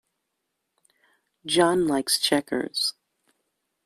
John likes checkers.